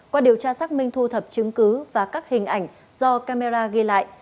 qua điều tra xác minh thu thập chứng cứ và các hình ảnh do camera ghi lại